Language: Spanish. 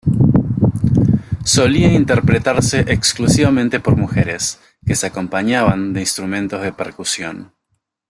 Solía interpretarse exclusivamente por mujeres, que se acompañaban de instrumentos de percusión.